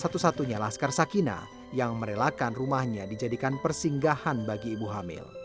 satu satunya laskar sakina yang merelakan rumahnya dijadikan persinggahan bagi ibu hamil